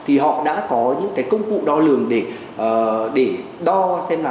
thì họ đã có những cái công cụ đo lường để đo xem là